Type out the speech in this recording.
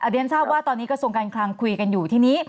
เรียนทราบว่าตอนนี้กระทรวงการคลังคุยกันอยู่ทีนี้